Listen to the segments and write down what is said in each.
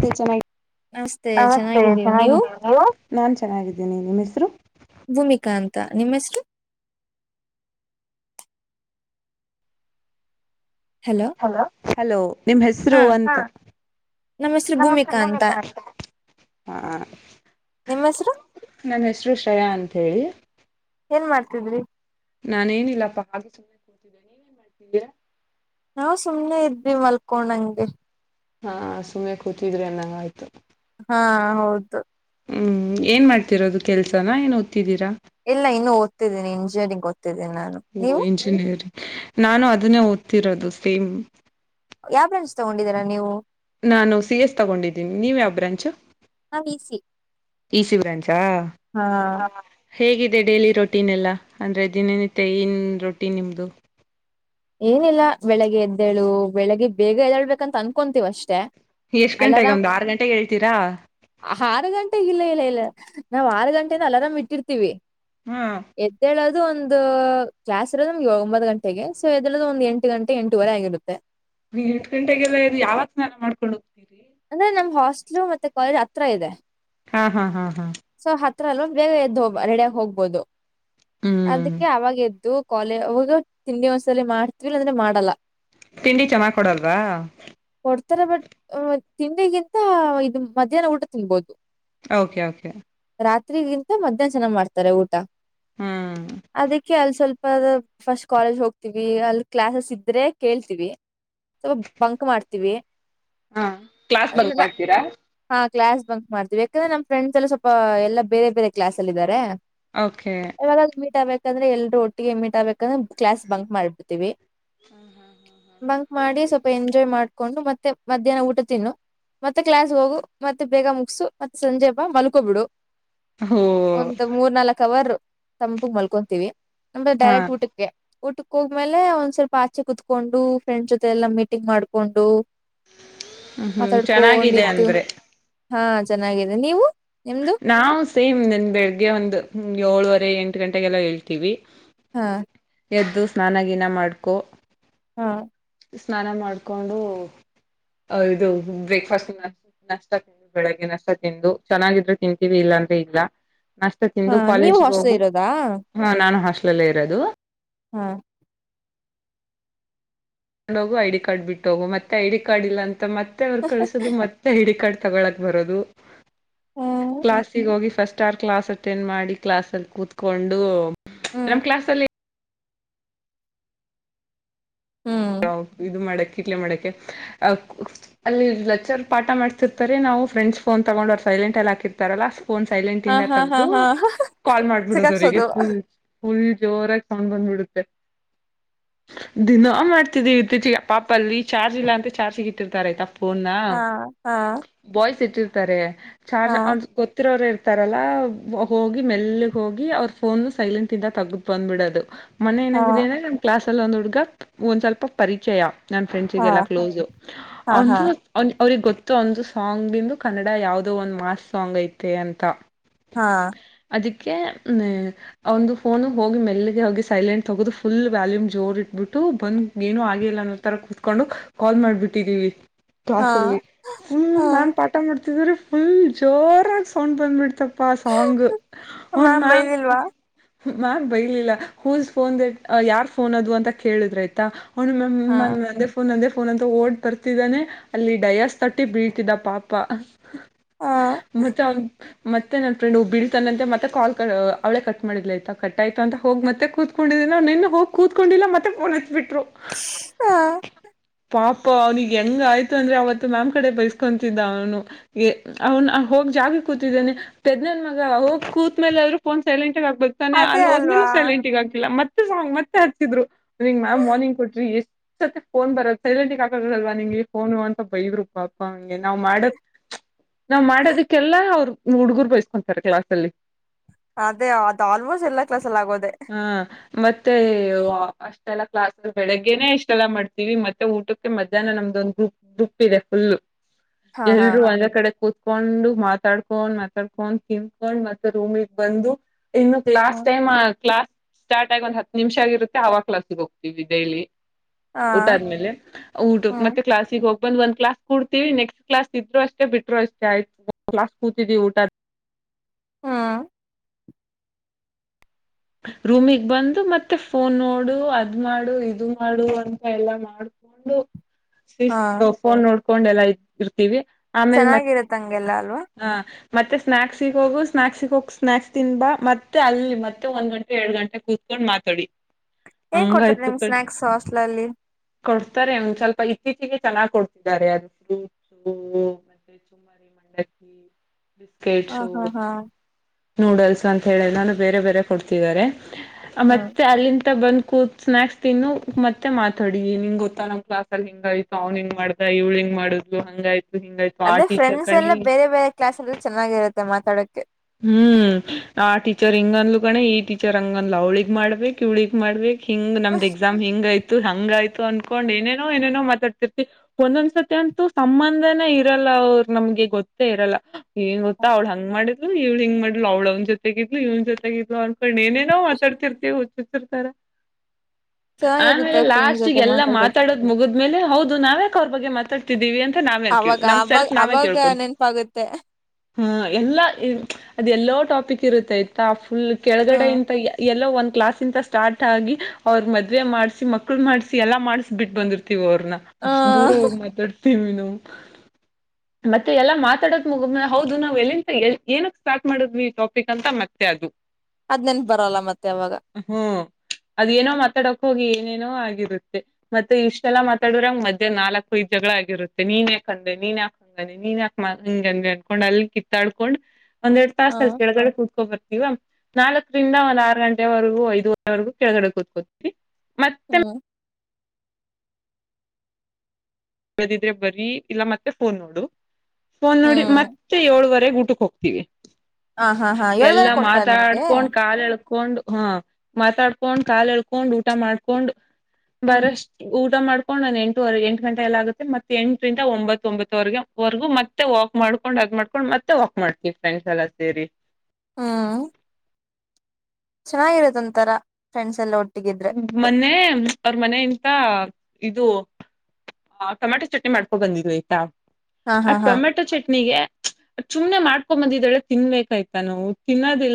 T ಚೆನ್ನಾಗ್ ನಮಸ್ತೆ ಚೆನ್ನಾಗಿದ್ದೀವಿ ನೀವು ಚೆನ್ನಾಗಿದಿವ್ ನೀವು. ನಿಮೆಸ್ರು. ಭೂಮಿಕಾ ಅಂತ ನಿಮೆಸ್ರು. ಹಲೋ ಹಲೋ ನಿಮ್ ಹೆಸ್ರು ಹಾ ಅಂತ, ನಮ್ಮ ಹೆಸರು ಭೂಮಿಕಾ ಅಂತ ಹ ನಿಮ್ಮ ಹೆಸರು ನನ್ ಹೆಸ್ರು ಶ್ರೆಯಾ ಅಂತ ಹೇಳಿ. ಏನ್ ಮಾಡ್ತಿದ್ರಿ. ನಾನೇನಿಲ್ಲಾಪ್ಪ ಹಾಗೆ ಸುಮ್ಮ್ನೆ ಕೂತಿದ್ದೆ ನೀನೇನ್ ಮಾಡ್ತಿದ್ಯ. ನಾವ್ ಸುಮ್ನೆ ಇದ್ವಿ ಮಲ್ಕೋಡಂಗೆ. ಹಾ ಸುಮ್ಮ್ನೆ ಕೂತಿದ್ರೆ ಅನ್ನಂಗ್ ಆಯ್ತು. ಹಾ ಹೌದು. ಹ್ಮ್ ಏನ್ ಮಾಡ್ತಿರೋದು ಕೆಲ್ಸನ ಏನು ಓದ್ ಇಲ್ಲ ಇನ್ನು ಓದ್ತಿದ್ದೀನಿ ಇಂಜಿನಿರಿಂಗ್. ಓ ಇಂಜಿನಿಯರಿ ನಾನು ಅದನ್ನೇ ಓದ್ತಿರೋದು ಸೇಮ್. ಯಾವ್ ಬ್ರಾಂಚ್ಜ್ ತಗೊಂಡಿದಿರಾ ನೀವು. ನಾನು ಸಿ ಎಸ್ ತಗೊಂಡಿದ್ದೀನಿ, ನೀವ್ ಯಾವ್ ಬ್ರಾಂಚು ನಾವ್ ಇಸಿ ಇ ಸಿ ಬ್ರಾಂಚಾ ಹಾ ಹ ಹ. ಹೇಗಿದೆ ಡೈಲಿ ರೊಟೀನ್ ಎಲ್ಲ ಅಂದ್ರೆ ದಿನನಿತ್ಯ ಏನ್ ರೊಟೀನ್ ನಿಮ್ದು. ಏನಿಲ್ಲ ಬೆಳಗ್ಗೆ ಎದ್ದೇಳು ಬೆಳಗ್ಗೆ ಬೇಗ ಎದ್ದೇಳ್ಬೇಕಂತ ಅನ್ಕೊಂತೀವ್ ಅಷ್ಟೇ. ಎಷ್ಟ್ ಗಂಟೆಗೆ ಅಲಾರಾಮ್ ಒಂದ್ ಆರ್ ಗಂಟೆಗ್ ಎಳ್ತೀರಾ. ಲ ನಾವ್ ಆರ್ ಗಂಟೆಯಿಂದ ಅಲರಾಮ್ ಇಟ್ಟಿರ್ಥಿವಿ. ಹಾ ಎದ್ದೇಳೋದ್ ಇದು ಒಂದು ಕ್ಲಾಸ್ ಇರೋದೊಂದ್ ಒಂಬ್ತ್ ಗಂಟೆಗೆ. ಸೊ ಎದ್ದೇಳೋದು ಒಂದ್ ಎಂಟ್ ಗಂಟೆ ಎಂಟುವರೆ ಆಗಿರುತ್ತೆ. ನೀ ಎಂಟ್ ಗಂಟೆಗೆಲ್ಲ ಎದ್ದು ಯಾವಗ್ ಸ್ನಾನ ಮಾಡ್ಕೊಂಡ್ ಹೋಗ್ತೀರಿ. ಅಂದ್ರೆ ನಮ್ ಹಾಸ್ಟ್ಲ್ ಮತ್ತೆ ಕಾಲೇಜ್ ಹತ್ರ ಇದೆ. ಹಾ ಹಾ ಹಾ ಹಾ. ಹತ್ರಲು ಬೇಗ ಎದ್ದ ರೆಡಿಗ್ ಹೋಗ್ಬೊದು. ಹ್ಮ್ ಅದಕ್ಕೆ ಅವಾಗ್ ಎದ್ದು. ಕೊಲೆ ಅವಾಗ ತಿಂಡಿ ಒಂಸಲ್ಲಿ ಮಾಡತ್ವಿ ಇಲ್ಲ ಅಂದ್ರೆ ಮಾಡಲ್ಲ. ತಿಂಡಿ ಚೆನ್ನಾಗ್ ಕೊಡಲ್ವಾ. ಕೊಡ್ತಾರೆ ಬಟ್ ಹ್ಮ್. ತಿಂಡಿಗಿಂತ ಇದ್ ಮಧ್ಯಾಹ್ನ ಊಟ ತಿನ್ಬೊದು. Okay okay. ರಾತ್ರಿಗಿಂತ ಮಧ್ಯಾಹ್ನ ಚೆನ್ನಾಗಿ ಮಾಡ್ತಾರೆ ಊಟ. ಹ್ಮ್ ಅದಕ್ಕೆ ಅಲ್ಲಿ ಸ್ವಲ್ಪ. ಫಸ್ಟ್ ಕಾಲೇಜ್ ಹೋಗ್ತೀವಿ ಅಲ್ಲಿ ಕ್ಲಾಸಸ್ ಇದ್ರೆ ಕೇಳ್ತೀವಿ ಸೊ ಬಂಕ್ ಮಾಡ್ತೀವಿ. ಹಾ ಕ್ಲಾಸ್ ಬಂಕ್ ಮಾಡ್ತೀರಾ. ಹಾ ಕ್ಲಾಸ್ ಬಂಕ್ಮಾಡ್ತೀವಿ ಯಾಕಂದ್ರೆ ನಮ್ಮ ಫ್ರೆಂಡ್ ಎಲ್ಲ ಸ್ವಪ ಎಲ್ಲ ಬೇರೆ ಬೇರೆ ಕ್ಲಾಸ್ಲ್ಲ ಇದಾರೆ. ಓಕೆ. ಯಾಕಂದ್ರೆ ಎಲ್ರು ಒಟ್ಟಿಗೆ ಎಮಿಟ್ ಆಬೇಕಂದ್ರೆ ಕ್ಲಾಸ್ ಬಂಕ್ ಮಾಡ್ಬಡ್ತತಿವಿ. ಬಂಕ್ ಮಾಡಿ ಸ್ವಲ್ಪ ಎಂಜಾಯ್ ಮಾಡ್. ಹಕೊಂಡು ಮತ್ತೆ ಮ್ಯಾಹ್ನ ಊಟ. ತಿನ್ನು ಮತ್ತೆ ಕ್ಲಾಸ್ ಹೋಗು ಮತ್ತೆ ಬೇಗ ಮುಗಸು ಮತ್ತೆ ಸಂಜೆ ಬಾ ಮಲ್ಕೋಬಿಡು. ಹೋ ಒಂದು ಮೂರ್ ನಾಲ್ಕ ಅವರ್. ತಂಪಗ್ ಮಲ್ಕೊಂತೀವಿ. ಮುಂದೆ ಹಾ ಡೈರೆಕ್ಟ್ ಊಟಕ್ಕೆ ಊಟಕ್ಕೆ ಹೋಗ್ಮೇಲೆ ಒಂದ್ ಸ್ವಲ್ಪ ಆಚೆ ಕುೂತ್ಕೊಂಡು ಫ್ರೆಂಡ್ಸ್ ಜೊತೆ ಎಲ್ಲ ಮೀಟಿಂಗ್ ಮಾಡ್ಕೊಂಡು. ಹ ಹ್ಮ್ ಚೆನ್ನಾಗಿದೆ ಮಾತಾಡ್ಕೊಂಡಿದ್ದು ಅಂದ್ರೆ. ಹಾ ಚೆನ್ನಾಗಿದೆ ನೀವು. ನಿಮ್ದು ನಾವ ಸೇಮ್ ನಿನ್ ಬೆಳಗ್ಗೆ ಒಂದ ಏಳುವರೆಗೆ. ಎಂಟು ಗಂಟೆಗೆಲ್ಲ ಹೇಳ್ತೀವಿ. ಹಾ. ಎದ್ದು ಸ್ನಾನಗಿನ ಮಾಡ್ಕೊ. ಹಾ. ಸ್ನಾನ ಮಾಡ್ಕೊಂಡು ಇದು ಬ್ರೇಕ್ಫಾಸ್ಟ ನಷ್ಟ ತಿಂದು ಬೆಳಗ್ಗೆ ನಷ್ಟ ತಿಂದು. ಚೆನ್ನಾಗಿದ್ರೆ ತಿಂತೀವಿ ಇಲ್ಲಾ ಅಂದ್ರೆ ಇಲ್ಲ. ನಾಷ್ಟ ಹಾ ತಿಂದು ನೀವು ಕಾಲೇಜ್ಗೆ ಹೋಗ ಹಾಸ್ಟೆಲ್ ಇರೋದಾ ಹ ನಾನು ಅಷ್ಟೇ. ಲ್ಲ ಇರೋದು ಹಾ ೋಗ ಡಿ ಕಾರ್ಡ್ ಬಿಟ್ಟೋಗ ಮತ್ತೆ ಐ ಡಿ ಕಾರ್ಡ್ ಇಲ್ಲ ಅಂತ ಮತ್ತೆ ಅವ್ರು ಕಳಸುದು ಮತ್ತೆ ಹಿಡ ಕಟ್ತ ತಗೊಳಕ್ ಬರೋದು ಹ್ಮ್ ಕ್ಲಾಸಿಗೆ ಹೋಗಿ ಫಸ್ಟ್ ಆರ್ ಕ್ಲಾಸ್ ಅಟೆಂಡ್ ಮಾಡಿ ಕ್ಲಾಸಲ್ಲಿ ಕೂತ್ಕೊಂಡು ನಮ್ ಕ್ಲಾಸ್ ಅಲ್ಲಿ ಹ್ಮ್ ಹ ಇದು ಮಡಕ್ಕೆ ಕಿಟ್ಲೆ ಮಾಡೋಕೆ ಅಲ್ಲಿ ಲೆಕ್ಚರ್ ಪಾಠ ಮಾಡ್ತಿರ್ತಾರೆ ನಾವು ಫ್ರೆಂಡ್ಸ್ ಫೋನ್ ತಗೊಂಡು ಅವ್ರು ಸೈಲೆಂಟಲ್ಲಿ ಹಾಕಿರ್ತಾರಲ್ಲ ಫೋನ್ ಸೈಲೆಂಟ್ ಹ ಇಂದ ಹಾ ಹಾ ತಗ್ದು ಹಾ ಕಾಲ್ ಮಾಡ್ಬಿಡದು ಅವರಿಗೆ ಸಿಗಾಕ್ಸೋದು ಫಲ್ ಫುಲ್ ಜೋರಾಗಿ ತೊಂಡ್ ಬಂದ್ಬಿಡುತ್ತೆ ದಿನ ಪಾಪ ಅಲ್ಲಿ ಚಾರ್ಜ್ ಇಲ್ಲ ಅಂತ ಚಾರ್ಜ್ ಇಟ್ಟಿರ್ತಾರೆತಪ್ಪ ಣ ಹಾ ಹಾ ಬಾಯ್ಸ್ ಸಿ ಇಟ್ಟಿರ್ತಾರೆ ಚಾರ್ಜ್ ಹಾ ಗೊತ್ತಿರ ಅವ್ರೆ ತಾರಲ್ಲ ಹೋಗಿ ಮೆಲ್ಗ್ ಹೋಗಿ ಅವ್ರ ಫೋನ್ ಸೈಲೆಂಟ್ ಇಂದ ತಗದ ಬಂದ್ಬಿಡದು ಮನೆ ಹಾ ಏನಾಗಿದೆ ಅಂದ್ರ ನಮ್ಮ ಕ್ಲಾಸ್ ಒ್ ಹುಡ್ಗಕ್ ಒಂದ್ ಸ್ವಲ್ಪ ಅಪ್ಪ ಪರಿಚಯ ನನ್ನ ಹಾ ಫ್ರೆಂಡ್ಸಿಗೆಲ್ಲ ಕ್ಲೋಸು ಹಾ ಹಾ ಅವನು ಅವ ಅವ್ರಿಗೆ ಗೊತ್ತ ಒಂದು ಸಾಂಗ್ ಬಿಂದು ಕನ್ನಡ ಯಾವದೋ ಒಂದ್ ಮಾಸ್ ಸಾಂಗ್ ಐತೆ ಅಂತ ಹಾ ಅದಕ್ಕೆ ಒಂದು ಫೋನು ಹೋಗಿ ಮೆಲ್ಲಿಗೆ ಹೋಗಿ ಸೈಲೆಂಟ್ ತಗದು ಫುಲ್ ವ್ಯಾಲ್ಯೂಮ್ ಜೋರುಟ್ಬಿಟ್ಟು ಬಂದು ಏನು ಆಗಿಲ್ಲ ಅನ್ನೋ ತರ ಕುೂತ್ಕೊಂಡು ಕಾಲ್ ಮಾಡ್ಬಿಟ್ಟಿದ್ದೀವಿ ಹಾ ಕ್ಾಸ್ಲ್ಲಿ ಫಲ್ ಹಾ ಮನ್ ಪಟ್ಟ ಮಾಡ ್ರೆ ಫುಲ್ ಜೋರಾಗಿ ಸೌಂಡ್ ಬಂದ್ಬಿಡ್ತಪ್ಪ ಪ್ಪಾ ಸಾಂಗು ಹನ್ಮ ಮ್ಯಾಮ್ ಬೈದಿಲ್ವಾ ಮ್ಯಾಮ್ ಬೈರ್ಲಿಲ್ಲ ಹೂಲ್ ಫೋನ್ ಯಾರ್ ಫೋನ್ ಅದದು ಅಂತ ಕೇಳಿದ್ರ ಆಯ್ತಾ ಹು ಮ ಹಾ ಮನ್ೆ ಫನ ಫೋನ್ ಅಂತ ಓಡ್ ಬರ್ತಿದ್ದಾನೆ ಅಲ್ಲಿ ಡಯಸ್ ತಟ್ಟಿ ಬೀಳ್ತಿದ್ದ ಪಾಪ ಹಾ ಮತ್ತೆ ಅವ ಮತ್ತೆ ನನ್ ಫ್ರೆಂಡ್ ಹೋಗ ಬೀಳ್ತಾನಂತೆ ಮತ್ತೆ ಕಾಲ್ ಅವಳೇ ಕಟ್ ಮಾಡಿದ್ ಆಯತ ಕಟ್ ಆಯ್ತ ಅಂತ ಹೋಗಿ ಮತ್ತೆ ಕೂತ್ಕೊಂಡಿದಾನೆ ಅವ ನಿನ್ನ ಹೋಗಿ ಕೂತ್ಕೊಂಡಿಲ್ಲ ಮತ್ತೆ ಫೋನ್ ಹತ್ಬಿಟ್ರು ಹಾ ಪಾಪ ಅವ್ನಿಗೆ ಹೆಂಗ ಆಯ್ತು ಅಂದ್ರೆ ಅವತ್ತು ಮ್ಯಾಮ್ ಕಡೆ ಬೈಸ್ಕೊತಿದ್ದ ಅವನು ಅವ್ನು ಹೋಗಿ ಜಾಗ ಕೂತಿದ್ದಾನೆ ಪದ್ನನ್ ಮಗ ಅವೋಗ ಕೂತ್ ಮೇಲೆ ಆದ್ರೂ ಫೋನ್ ಸೈಲೆಂಟ್ ಆಗ್ತಾನೆ ಅದೇ ಅಲ್ಲಿ ಅಲ್ವಾ ಹದ್ಮೇೂ ಸೈಲೆಂಟಗ ಆಗಿಲ್ಲ ಮತ್ತೆ ಂಗ್ ಮತ್ತೆ ಹಚ್ಚಿದ್ರು ಮ್ಯ್ಾರ್ನಿಂಗ್ ಕೊಟ್ಟ ಎಷ್ಟ ಸತಿ ಫೋನ್ ಬರೋದು ಸೈಲೆಂಟ್ ಹಾಕದಲ್ವಾ ನಿಂಗೆ ಫೋನು ಅಂತ ಬೈವರು ಪಾಪ ಗೆ ನಾವ್ ಮಾಡ ನಾವ್ ಮಾಡೋದಕ್ಕೆಲ್ಲಾ ಅವರು ನೀವ್ ಹುಡುಗೂರು ಬೈಸಿಕೊಂತರೆ ಕ್ಲಾಸ್ ಅಲ್ಲಿ. ಅದೇ ಅದ ಆಲ್ಮೋಸ್ಟ್ ಎಲ್ಲಾ ಕ್ಲಾಸಲ ಆಗೋದೆ. ಹಾ ಮತ್ತೆ ಅಷ್ಟೆಲ್ಲ ಕ್ಲಸ್. ಬೆಳಿಗ್ಗೆನೆ ಇಷ್ಟೆಲ್ಲ ಮಾಡ್ತೀವಿ ಮತ್ತೆ ಊಟಕ್ಕೆ ಮಧ್ಯಾಹ್ನ ನಮ್ದೊಂದ್ ಗ್ರೂಪ್ ಗ್ರೂಪ್ ಇದೆ ಫುಲ್. ಹಾ ಹಾ ಎಲ್ರೂ ಒಂದ ಕಡೆ ಕೂತ್. ಕರ್ಕೊಂಡು ಮಾತಾಡ್ಕೊಂಡ್ ಮಾತಾಡ್ಕೊಂಡ್ ತಿಂದಕೊಂಡ್ ಮತ್ತೆ ರೂಮಿಗೆ ಬಂದು. ಇನ್ನು ಹಾ ಕ್ಲಾಸ್ ಟೈಮ್ ಕ್ಲಾಸ್. ಸ್ಟಾರ್ಟ್ ಆಗ ಒಂದ್ ಹತ್ತು ನಿಮಿಷ ಆಗಿರುತ್ತೆ ಆ ಕ್ಲಾಸಿಗೆ ಹೋಗ್ತೀವಿ. ಡೇಲಿ. ಊಟ ಆದ್ಮೇಲೆ ಊಟ ಹ್ಮ್ ಮತ್ತೆ ಕ್ಲಾಸಿಗೆ ಹೋಗ. ಬಂದ್ ಒಂದ್ ಕ್ಲಾಸ್ ಕಡ್ತೀವಿ ನೆಕ್ಸ್ಟ್ ಕ್ಲಾಸ್ ಇದ್ರು ಅಷ್ಟೇ ಬಿಟ್ರು ಅಷ್ಟೇ ಆಯ್ತು ಒಂದ್ ಕ್ಲಾಸ್ ಕೂತಿದೀವಿ ಊಟ. ಹ್ಮ್ ರೂಮಿಗ್ ಬಂದು ಮತ್ತೆ ಫೋನ್ ನೋಡು ಅದ್ ಮಾಡು ಇದು ಮಾಡು ಅಂತ ಎಲ್ಲ ಮಾಡ್ಕೊಂಡು. ಹಾ ಸಿಸ್ತೊ ಫೋನ್ ನೋಡ್ ಕೊಂಡೆಲ್ಲೆ ಇರ್ತಿರ್ತಿವಿ. ಚೆನ್ನಾಗಿರುತ್ ಹಂಗೆಲ್ಲ ಅಲ್ವಾ. ಮತ್ತೆ ಸ್ನ್ಯಾಕ್ಸಿಗ್ ಹೋಗು ಸ್ನ್ಯಾಕ್ಸಿಗ್ ಹೋಗ್ ಸ್ನಾಕ್ಸ್ ತಿಂದ್ ಬಾ ಮತ್ತೆ ಅಲ್ಲಿ ಮತ್ ತ್ತೆ ಒಂದ್ ಗಂಟೆ ಎರಡ್ ಗಂಟೆ ಕುತ್ಕೊಂಡ್ ಮಾತೊಡಿ. ಏಂಗ್ ಕೊಡ್ತಾರ್ ನಿಮ್ ಸ್ನ್ಯಾಕ್ಸು ಹಾಸ್ಟೆಲಲ್ಲಿ. ಕೊಡ್ತಾರೆ ಒಂದ್ ಸ್ವಲ್ಪ ಇತ್ತೀಚಿಗೆ ಚೆನ್ನಾಗ್ ಕೊಡ್ತಿದ್ದಾರೆ ಅದು. [unintelligible] ಹ ಹಾ ಹಾ. ನೂಡಲ್ಸ್ ಅಂತ ಹೇಳಿನ ಏನನ ಬೇರೆ ಬೇರೆ ಕೊಡ್ತಿದ್ದಾರೆ. ಹ್ಮ್ ಮತ್ತೆ ಅಲ್ಲಿಂದ ಬಂದ. ಕೂತ್ ಸ್ನಾಕ್ಸ್ ತಿನ್ನು ಮತ್ತೆ ಮಾತೋಡಿ ನಿಂಗ್ ಗೊತ್ತಾ ನಮ್ ಕ್ಲಾಸ್ ಅಲ್ಲಿ ಹಿಂಗ ಆಯ್ತು ಅವನಿಂಗ ಮಾಡ್ದ ಇಲಾವ್ಹೆಂಗ್ ಮಾಡದ್ಲು ಹಂಗಾಯ್ತು. ಹಿಂಗಾಯ್ತು ಆ ಅಂದ್ರೆ ಟೀಚರ್ ಫ್ರೆಂಡ್ಸ್ ಕಣೆ ಎಲ್ಲ ಈ ಬೇರೆ ಬೇರೆ ಕ್ಲಾಸ್ ಅಲ್ಲಿ ಇದ್ರೆ ಚೆನ್ನಾಗಿರುತ್ತೆ ಮತಾ. ತಡಕ್ಕೆ. ಹ್ಮ್ ಆ ಟೀಚರ್ ಹಿಂಗಧ್ಲು ಕಣೆ ಈ ಟೀಚರ್ ಹಂಗಧ್ಲು ಅವ್ಳಗ್ ಮಾಡ್ಬೇಕು ಇವಳಿಗ ಮಾಡ್ಬೇಕ್. ಹಿಂಗ ನಮ್ದ್ ಎಕ್ಸಾಮ್ ಹಂಗ ಐ್ತ್. ಹಂಗಾಯ್ತು ಅನ್ಕೊಂಡ್ ಏನೇನೋ ಏನೇನೋ ಮಾತಾಡ್ತೀರ್ಥಿವ್ ಒಂದೊಂದ್ಸತಿ ಅಂತಂತು ಸಂಬಂಧನೇ ಇರಲ್ಲ ಅವರು ನಮ್ಗೆ ಗೊತ್ತೇ ಇರಲ್ಲ. ಏನ್ ಗೊತ್ತಾ ಅವಳ ಹಂಗ ಮಾಡಿ. ಇವಳ ಹಿಂಗ್ ಮಾಡಿದ್ಲ್ ಅಳವ ಅವನ್ ಜೊತೆಗ ಇದ್ಲು ಇವನ್ ಜೊತೆಗ ಇದ್ಲು. ಏನೇನೋ ಮಾತಡ್ತಿರ್ತಿವ ಹುಚ್. ತರ ಚೆನ್ನಾಗಿರುತ್ತೆ ಆಮೇಲೆ ಫ್ರೆಂಡ್ಸ್ ಲಾಸ್ಟಿಗೆ ಜೊತೆ ಎಲ್ಲಾ ಮಾತಾಡೋದು ಮಾತಾಡೋದ್ ಮುಗಿದ್ಮೇಲೆ ಹೌದು ನಾವ್ಯಾಕ ಅವ್ರ ಬಗ್ಗೆ ಮಾತಾ. ತಿದ್ದಿವಿ ಅಂತ ನಾವೇ ಅವಾಗ ನಮ ಅವಾಗ ಸೆಲ್ಫ್ ನಾವೇ ಅವಾಗ ಕೇಳ್ಕೊಂತ ನೆನಪಾಗುತ್ತೆ ಹ್ಮ ಎಲ್ಲಾ. ಅದೆ ಎಲ್ಲೋ ಟಾಪಿಕ್ ಇರುತ್ತೆೈತ ಫುಲ್ ಹ ಕೆಳಗಡೆ ಇಂತ ಎಲ್ಲ ಒನ್ ಕ್ಲಾಸ್ ಇಂತ ಸ್ಟಾರ್ಟ್ ಆಗಿ ಅವ್ರರು ಮದ್ವೆ ಮಾಡ್ಸಿ ಮಕ್ಕಳು ಮಾಡ್ಸಿ ಎಲ್ಲಾ ಮಾಡಸ್ ಬಿಟ್ಟು ಬಂದಿರ್ತಾರೆ ಅವ್ರನ ಹ ಅಷ್ಟ ದೂರ ಹೋಗಿ ಮಾತಾಡ್ ಮತ್ತೆ ಎಲ್ಲಾ ಮಾತಾಡೋದ ಮುಗಿದಮೇಲೆ ಹೌದು ನಾ್ ಎಲ್ಲಿಂತ ಏನಕ್ ಸ್ಟಾರ್ಟ್ ಮಾಡಿದ್ವಿ ಈ ಟಾಪಿಕ್ ಅಂತ ಮತ್ತೆ ಅದು ಅದ್ ನೆನ್ಪ ಬರಲ್ಲ ಮತ್ತೆ ಅವಾಗ ಅದೇಏನೋ ಮಾತಾಡಕ್ ಹೋಗಿ ಏನೇನೋ ಆಗಿರುತ್ತೆ ಮತ್ತೆ ಇಷ್ಟೆಲ್ಲ ಮಾತಾಡಿದ್ರ ಮಧ್ಯ್ಯಾ ನಾಲ್ಕು ಐದು ಜಗಳ ಆಗಿರುತ್ತೆ ನೀನ್ ಯಾಕಂದೆ ನೀನ್ ಯಾಕ್ ಹಂಗಂದೆ ನೀನ್ ಯಾಕ ಹಂಗಂದೆ ಅನ್ಕೊಂಡ್ ಅಲ್ಲಿ ಕಿತ್ತಾಡ್ಕೊಂಡ್ ಒಂದೆರಡು ಹ ತಾಸ್ ಕೆಳಗಡೆ ಕೂತ್ಕೋ ಈವ ನಾಲ್ಕರಿಂದ ಒಂದ ಆರು ಗಂಟೆವರೆಗೂ ಐದುವರೆವರೆಗೂ ಕೆಳಗಡೆ ಕೂತ್ಕೋತೀನಿ ಮತ್ತೆ ಹ್ಮ್ [unintelligible] ಬರೀ ಇಲ್ಲ ಮತ್ತೆ ಫೋನ್ ನೋಡು ಫೋನ್ ನೋಡಿ ಹ್ಮ್ ಮತ್ತೆ ಏಳುವರೆ ಊಟಕ್ಕೆ ಹೋಗ್ತೀವಿ ಹ ಹಾ ಹಾ ಏಳ್ ಬೇರೆ ಎಲ್ಲಾ ಕೊಡ್ತಾರ ನಿಮ್ಗೆ ಮಾತಾಡ್ಕೊಂಡ್ ಕಾಲ ಎಳ್ಕೊ ಹಕೊಂಡ್ ಹಾ ಮಾತಾಡ್ಕೊಂಡ್ ಕಾಲ ಎಲ್ಕೊಂಡ್ ಊಟ ಮಾಡ್ಕೊಂಡ್ ಹ್ಮ್ ಬರಷ್ಟ ಊಟ ಮಾಡ್ [unintelligible] ಎಂಟವರೆ ಎಂಟ ಗಂಟೆ ಎಲ್ಲ ಆಗುತ್ತೆ ಮತ್ತೆ ಎಂಟರಿಂದ ಒಂಬತ್ ಒಂಬತ್ವರೆಗೆ ವರೆಗೂ ಮತ್ತೆ ವಾಕ್ ಮಾಡ್ಕೊಂಡ್ ಅದ್ ಮಾಡ್ಕೊಂಡ್ ಮತ್ತೆ ವಾಕ್ ಮಾಡ್ತೀವಿ ಫ್ರೆಂಡ್ಸ್ ಎಲ್ಲ ಸೇರಿ ಹಾ ಚೆನ್ನಾಗಿರದ ಒಂತರ ಫ್ರೆಂಡ್ಸ್ ಎಲ್ಲ ಒಟ್ಟ ಮನ್ನೆ ಅವ್ರ ಮನ ಇಂತ ಇದು ಆ ಟೊಮ್ಯಾಟೊ ಚಟ್ನಿ ಮಾಡ್ಕೊಂಡ ಬಂದಿದ್ ಆಯ್ತಾ ಹಾ ಆ ಹಾ ಹಾ ಟೊಮೆಟೊ ಚಟ್ನಿಗೆ ಸುಮ್ನೆ ಮಾಡ್ಕೊಂಬಂದಿದಾಳೆ ತಿನ್ಬೇಕಾಯ್ತಾ ನಾವು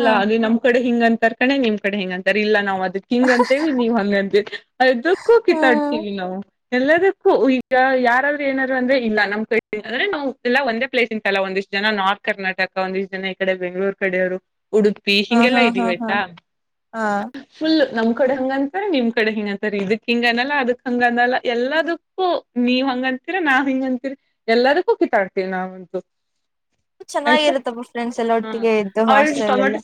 ಹ ಅದು ನಮ್ ಕಡೆ ಹಿಂಗ ಅಂತರ್ ಕಣೆ ನಿಮ್ ಕಡೆ ಹ ಹೆಂಗ ಅಂತರ್ ಇಲ್ಲ ನಾ್ ಅದಕ್ಕೆ ನೀವ್ ಹಂಗ ಅಂತೀರಾ ಹ ಅದುಕ್ಕ ಹ್ಮ್ ಕಿತಾಡ್ತೀವಿ ನಾವು ಎಲ್ಲದಕ್ಕೂ ಈಗ ಯಾರಾದ್ರು ಏನಾರರು ಅಂದ್ರೆ ಇಲ್ಲ ನಮ್ ಕಡೆ ಅಂದ್ರೆ ನಾವು ಎಲ್ಲಾ ಒಂದೇ ಪ್ಲೇಸ್ ಇಂತಲ್ಲ ಒಂದಿಷ್ಟು ಜನ ನಾರ್ತ್ ಕರ್ನಾಟಕ ಒಂದಿಷ್ಟು ಜನ ಈ ಕಡೆ ಬೆಂಗ್ಗಳೂರ್ ಕಡೆಯವ್ರು ಉಡುಪಿ ಹ ಹಿಂಗೆಲ್ಲಾ ಹಾ ಹಾ ಇದೀವಿ ಹಾ ಆಯ್ತಾ ಹಾ ಫುಲ್ [unintelligible] ್ ಕಡೆ ಹಂಗಂತರ ನಿಮ್ ಕಡೆ ಹಿಂಗಂತರಿ ಇದಕ್ ಹಿಂಗ ಅನಲ್ಲ ಅದಕ್ ಹಂಗ ಅನಲ್ಲ ಎಲ್ಲದಕ್ಕೂ ನೀವ್ ಹಂಗಂತೀರ ನಾ ಹಿಂಗ ಅಂತೀರಿ ಎಲ್ಲದಕ್ಕೂ ಕಿತಾಡ್ತೀವಿ ನಾವಂತೂ ಆಯ್ತಾ ಚೆನ್ನಾಗಿರುತ್ತಪ್ಪ ಫ್ರೆಂಡ್ಸ್ ಎಲ್ಲ ಹ್ಮ್ ಒಟ್ಟಿಗೆ ಇದ್ದು ಅವಳು ಹಾಸ್ಟೆಲ್ ಎಲ್ಲ.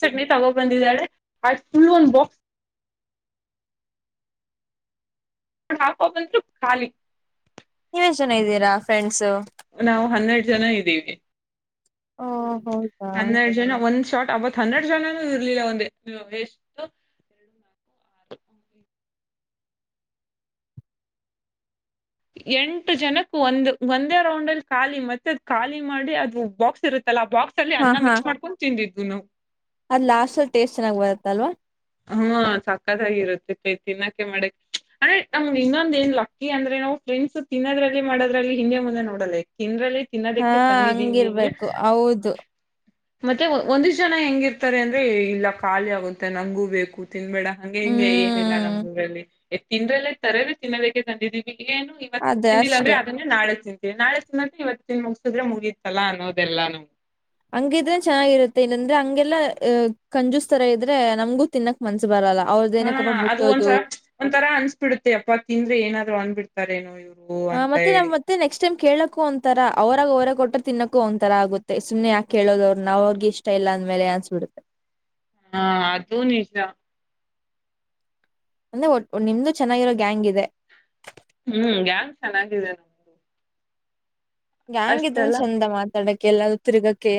ಫುಲ್ಲು ಒನ್ ಬೋಕ್ [unintelligible] ಅಂತು ಖಾಲೀ ನೀವೇಸ್ಟ್ ಜನ ಇದೀರಾ ಫ್ರೆಂಡ್ಸು? ನಾವು ಹನ್ನೆರಡು ಜನ ಇದ್ದೀವಿ. ಹೌದಾ ಹನ್ನೆರ ಜನ ಒಂದ್ ಶಾಟ್ ಅವತ್ ಹನ್ನೆರಡು ಜನನು ಇರ್ಲಿಲ್ಲ ಒಂದೆ ಆ ಎಷ್ಟು ಎಂಟು ಜನಕ್ ಒಂದು ಒಂದೇ ರೌಂಡಲ್ಲಿ ಖಾಲಿ ಮತ್ತೆ ಅದ್ ಖಾಲಿ ಮಾಡಿ ಅದು ಬಾಕ್ಸ್ ಇರು ತ್ತಲ್ಲ ಆ ಬಾಕ್ಸಲ್ಲಿ ಹಾ ಅನ್ನ ಹಾ ಮಿಕ್ಸ್ ಮಾಡ್ಕೊಂಡ್ ತಿಂದಿದ್ ದಿನು ಅದ್ ಲಾಸ್ಟಲ್ ಟೇಸ್ಟ್ ಚೆನ್ನಾಗ್ ಬರುತ್ತಲ್ವ? ಹ್ಮ ಸಕ್ಕತ್ತಾಗಿರುತ್ತೆ ಪೆ ತಿನ್ನೋಕ್ಕೆ ಮಾಡ ಅಂದ್ರೆ ನಮ್ ಇನ್ನೊಂದ್ ಏನ್ ಲಕ್ಕಿ ಅಂದ್ರೆ ನಾವು ಫ್ರೆಂಡ್ಸ್ ತಿನ್ನೋದ್ರಲ್ಲಿ ಮಾಡೋದ್ರಲ್ಲಿ ಹಿಂದೆ ಮುಂದೆ ನೋಡಲ್ಲ ಇಗ್ ತಿಂದ್ರೆ ಲೈಕ್ ಹಾ ಹಂಗಿರ್ಬೇಕು ಹೌದು ಮತ್ತೆ ಒಂದ ಜನ ಹೆಂಗಿರ್ತಾರೆ ಅಂದ್ರೆ ಇಲ್ಲ ಖಾಲಿ ಆಗುತ್ತೆ ನಂಗು ಬೇಕು ತಿನ್ಬೇಡ ಹಂಗೆ ಹಿಂಗೆ ಏನಿಲ್ಲ ಹ್ಮ್ ನಮ್ಮ್ ಊರಲ್ಲಿ ಎ್ ತಿಿಂದ್ರಲ್ಲ ತರೇ ತಿನ್ನೋದಕ್ಕೆ ತಂದಿದ್ದೀವಿ ಏನು ಇವತ್ತು ಅದೇ ತಿಿಂದಿಲ್ಲ್ರೆ ಅಷ್ಟೆ ಅದನ್ನೇ ನಾ ತಿಿಂದಿ ನಾಳೆ ಸನ್ನೆ ಇವತ್ತ ತಿಿನ ಮುಗಸಿದ್ರೆ ಮುಗಿತ್ತಲ್ಲಾ ಅನ್ನೋದೆಲ್ಲ ನಮ್ಗೆ ಹಂಗಿದ್ರೆ ಚೆನ್ನಾಗಿರುತ್ತೆ ಇಲ್ಲಂದ್ರೆ ಹಂಗೆಲ್ಲಾ ಅ ಕಂಜೂಸ್ತರ ಇದ್ರೆ ನಮ್ಗೂ ತಿನ್ನಕ್ ಮನ್ಸ ಬರಲ್ಲ ಹಾ ಅವ್ರದ್ದೇನಕ್ಕಪ್ಪ ಅದು ಒಂದ್ಸ ಮುಟ್ಟೋದು ಒಂಥರಾ ಅನ್ಸ್ಬಿಡುತ್ತೆ ಅಪ್ಪ ತಿಂದ್ರೆ ಏನಾದ್ರು ಅನ್ಬಿಡ್ತ ಕನು ಇದು [unintelligible] ಹ ಮತ್ತೆ ನ್ ಮತ್ತೆ ನೆಕ್ಸ್ಟ್ ಟೈಮ್ ಕೇಳಕ್ಕೊ ಒಂಥರ ಅವರಾಗ ಅವರಾಗ ಕೊಟ್ರ ತಿನ್ನಕ್ಕೊ ಒಂಥರ ಆಗುತ್ತೆ ಸುಮ್ಮನೆ ಯಾಕೆೇಳೋದ ಅವ್ರ ನಾ ಅವ್ರಿ ಇಷ್ಟ ಇಲ್ಲ ಅಂದ್ಮೇಲೆ ಅನ್ಸ್ಬಿಡುತ್ತೆ ಹಾ ತೂ ನಿಜ ಅಂದ್ರೆ ಒ ನಿಮ್ದು ಚೆನ್ನಾಗಿರೋ ಗ್ಯಾಂಗ್ ಇದೆ ಹ್ಮ್ ್ಯಾಂಗ ಚೆನ್ನಾಗಿದೆ ನಮು ಗ್ಯಾಂಗ್ ಇದ್ರೇನೆ ಚಂದ ಮಾತಾಡಕ್ ಕೆಲ್ಲ ತಿರುಗಕ್ಕೆ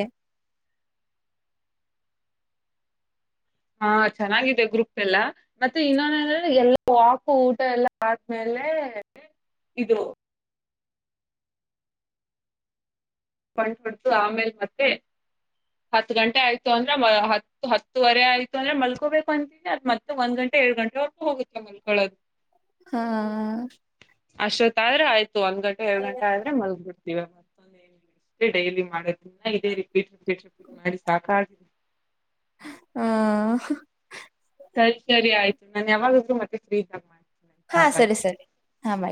ಹಾ ಚೆನ್ನಾಗಿದೆ ಗ್ರೂಪ್ ಎಲ್ಲ ಮತ್ತೆ ಇನ್ನೊನ್ ಅಂದ್ರೆ ಎಲ್ಲ ವಾಕು ಊಟ ಎಲ್ಲ ಆದ್ಮೇಲೆ ಇದು ಬಂ್ ಹೊಡೆತು ಆಮೇಲೆ ಮತ್ತೆ ಹತ್ ಗಂಟೆ ಆಯ್ತು ಅಂದ್ರ ಹತ್ತು ಹತ್ತುವರೆ ಆಯ್ತು ಅಂದ್ರೆ ಮಲ್ಕೋಬೇಕು ಅಂತೀನಿ ಅದ ಮತ್ತೆ ಒಂದ್ ಗಂಟೆ ಏ ಗಂಟೆವರೆಗೂ ಹೋಗುತ್ತಲ ಮಲ್ಕೊಳೋದು ಹಾ ಅಷ್ಟೆ ತಾರ ಆಯತ ಒಂದ್ ಗಟೆ ಎರಡು ಗಂಟ ಹಾ ಆದ್ರೆ ಮಗಗ್ ಬಿಟ್ಟು ನೀವ ಮತ್ತ [unintelligible] ಡೈಲಿ ಮಾಡ ಇನ್ನ ಇದೆ ರಿಪೀಟ್ ರಿಪೀಟ್ ರಿಪೀಟ್ ಮಾಡಿ ಸಾಕ ಆ ಹ ಸರಿ ಸರಿ ಆಯ್ತು ನಾನ್ ಯಾವಾಗಾದ್ರರು ಮತ್ತೆ ಫ್ರೀ ಇದಾಗ ಮಾಡ ಹಾ ಸರಿ ಸರಿ ಹಾ ಮ